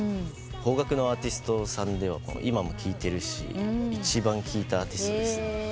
邦楽のアーティストさんでは今も聴いてるし一番聴いたアーティストですね。